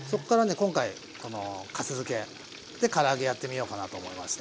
今回このかす漬けでから揚げやってみようかなと思いました。